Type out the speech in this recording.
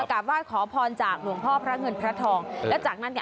กราบไหว้ขอพรจากหลวงพ่อพระเงินพระทองแล้วจากนั้นเนี่ย